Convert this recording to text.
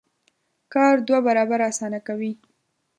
کار دوه برابره اسانه کوي.